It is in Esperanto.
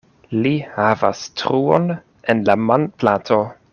Li havas truon en la manplato.